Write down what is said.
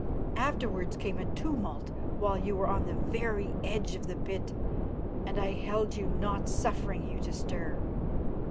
Afterwards came a tumult while you were on the very edge of the pit and I held you, not suffering you to stir.